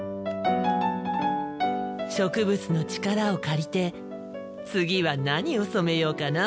植物の力を借りて次は何を染めようかな。